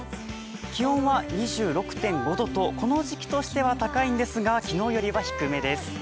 気温は２６．５度とこの時期としては高いんですが、昨日よりは低めです。